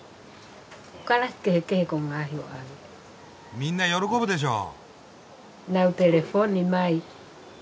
みんな喜ぶでしょう？